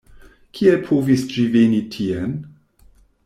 Kiel povis ĝi veni tien?